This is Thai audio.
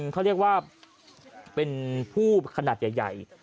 เขาเรียกว่าเป็นผู้ขนาดใหญ่